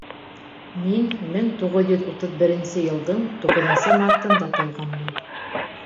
Мин мең туғыҙ йөҙ утыҙ беренсе йылдың туғыҙынсы мартында тыуғанмын.